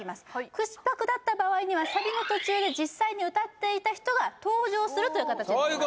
口パクだった場合にはサビの途中で実際に歌っていた人が登場するという形になります